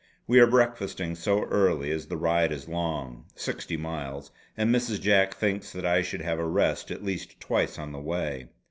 We are breakfasting so early as the ride is long, sixty miles, and Mrs. Jack thinks that I should have a rest at least twice on the way.